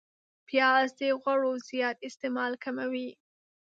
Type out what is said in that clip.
پیاز د غوړو زیات استعمال کموي